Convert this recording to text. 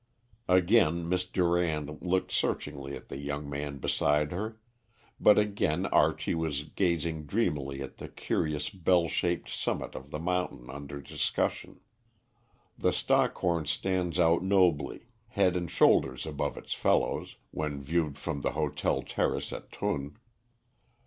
Again Miss Durand looked searchingly at the young man beside her, but again Archie was gazing dreamily at the curious bell shaped summit of the mountain under discussion. The Stockhorn stands out nobly, head and shoulders above its fellows, when viewed from the hotel terrace at Thun.